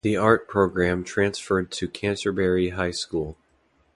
The art program transferred to Canterbury High School.